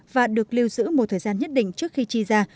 và được lưu giữ một thời gian nhất định trước khi chi ra